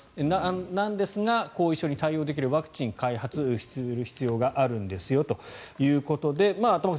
なんですが、後遺症に対応できるワクチンを開発する必要があるんですよということで玉川さん